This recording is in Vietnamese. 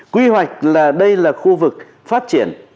quy hoạch là đây là khu vực phát triển